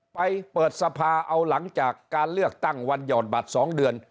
เปิดสภาเอาหลังจากการเลือกตั้งวันห่อนบัตร๒เดือน